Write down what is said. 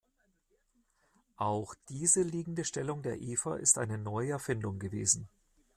Auch diese liegende Stellung der Eva ist eine neue Erfindung gewesen.